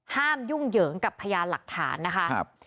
ยุ่งเหยิงกับพยานหลักฐานนะคะ